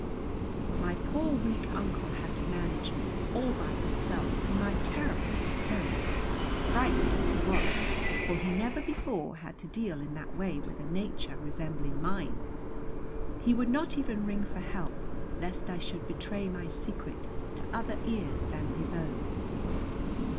My poor weak Uncle had to manage me, all by himself, in my terrible hysterics. Frightened as he was, for he never before had to deal in that way with a nature resembling mine, he would not even ring for help, lest I should betray my secret to other ears than his own.